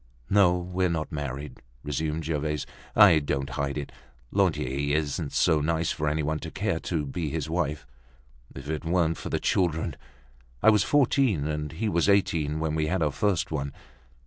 "No, we're not married," resumed Gervaise. "I don't hide it. Lantier isn't so nice for any one to care to be his wife. If it weren't for the children! I was fourteen and he was eighteen when we had our first one.